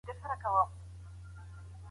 خلګو خپلي پيسې په بانکونو کي سپما کړي وې.